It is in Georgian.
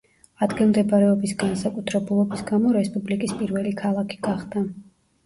ადგილმდებარეობის განსაკუთრებულობის გამო რესპუბლიკის პირველი ქალაქი გახდა.